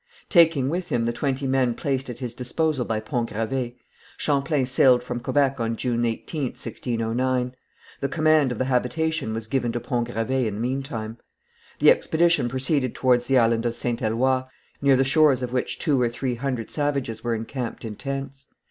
Taking with him the twenty men placed at his disposal by Pont Gravé, Champlain sailed from Quebec on June 18th, 1609. The command of the habitation was given to Pont Gravé in the meantime. The expedition proceeded towards the island of St. Eloi, near the shores of which two or three hundred savages were encamped in tents.